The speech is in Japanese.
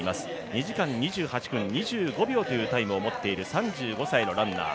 ２時間２８分２５秒というタイムを持っている３５歳のランナー。